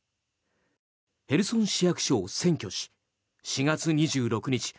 ヘルソン市役所を占拠し４月２６日